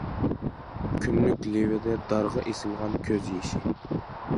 كۈنلۈك لېۋىدە دارغا ئېسىلغان كۆز يېشى.